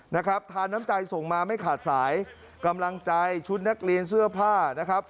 นะครับทานน้ำใจส่งมาไม่ขาดสายกำลังใจชุดนักเรียนเสื้อผ้านะครับ